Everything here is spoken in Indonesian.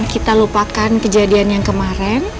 kita lupakan kejadian yang kemarin